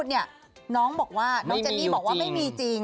น้องเจนนี่บอกว่าไม่มีจริง